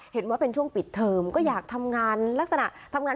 เห็นว่าเป็นช่วงปิดเทอมก็อยากทำงานลักษณะทำงาน